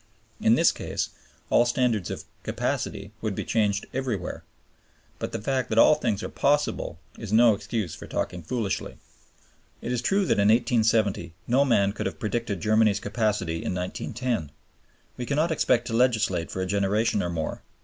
In this case all standards of "capacity" would be changed everywhere. But the fact that all things are possible is no excuse for talking foolishly. It is true that in 1870 no man could have predicted Germany's capacity in 1910. We cannot expect to legislate for a generation or more.